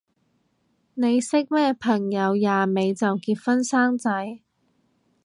你識咩朋友廿尾就結婚生仔？